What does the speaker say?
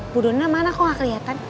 bu dona mana kok gak kelihatan